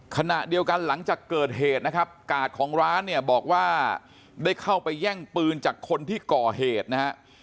ขณะเดียวกันหลังจากเกิดเหตุนะครับกาดของร้านเนี่ยบอกว่าได้เข้าไปแย่งปืนจากคนที่ก่อเหตุนะฮะ